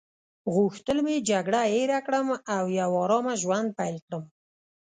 غوښتل مې جګړه هیره کړم او یو آرامه ژوند پیل کړم.